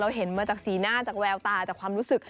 เห็นมาจากสีหน้าจากแววตาจากความรู้สึก